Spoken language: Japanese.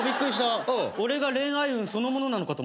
俺が恋愛運そのものなのかと思った。